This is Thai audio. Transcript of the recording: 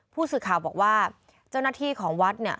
ผู้สื่อข่าวบอกว่าเจ้าหน้าที่ของวัดเนี่ย